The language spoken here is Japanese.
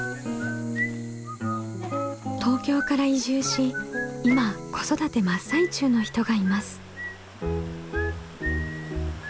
東京から移住し今子育て真っ最中の人がいます。